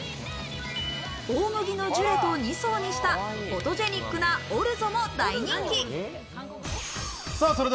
大麦のジュレと２層にしたフォトジェニックなオルゾも大人気です。